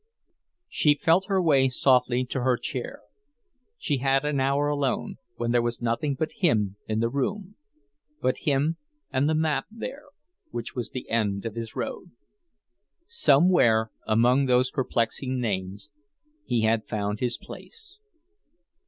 She felt her way softly to her chair. She had an hour alone, when there was nothing but him in the room, but him and the map there, which was the end of his road. Somewhere among those perplexing names, he had found his place.